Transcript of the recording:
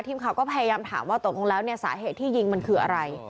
ทีมข่าวก็พยายามถามว่าตกลงแล้วเนี่ยสาเหตุที่ยิงมันคืออะไร